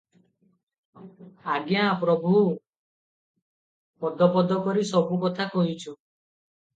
"ଆଜ୍ଞା- ପ୍ରଭୁ! ପଦ ପଦ କରି ସବୁ କଥା କହିଛୁ ।"